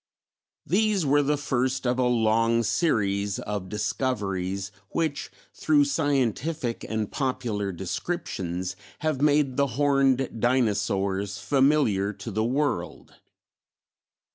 ] These were the first of a long series of discoveries which through scientific and popular descriptions have made the Horned Dinosaurs familiar to the world.